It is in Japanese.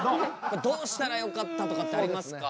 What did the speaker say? どうしたらよかったとかってありますか？